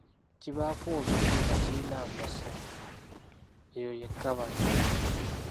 Kibaako oluggi nga kirina amasa eyo ye kkabada.